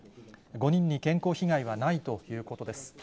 ５人に健康被害はないということです。